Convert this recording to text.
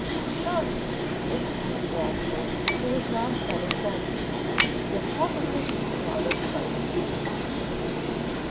"Nonsense!" exclaimed Jasper, who was now setting Ben's men. "You'll probably beat me out of sight next time."